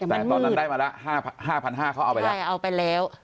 แต่ตอนนั้นได้มาละ๕๕๐๐เขาเอาไปแล้วใช่เอาไปแล้ว